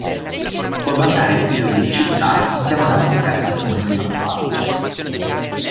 Può vantare il titolo di "città", insieme ad altri sette comuni dell'Alto Adige.